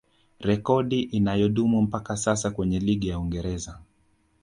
Rekodi inayodumu mpaka sasa kwenye ligi ya Uingereza